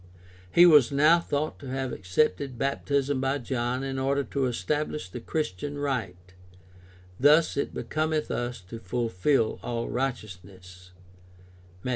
He was now thought to have accepted baptism by John in order to establish the Christian rite — ^"thus it becometh us to fulfil all righteousness" (Matt.